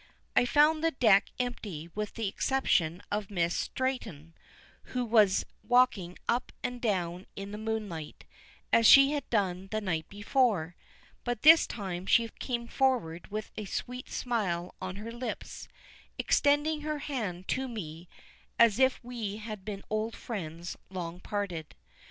I found the deck empty with the exception of Miss Stretton, who was walking up and down in the moonlight, as she had done the night before, but this time she came forward with a sweet smile on her lips, extending her hand to me as if we had been old friends long parted.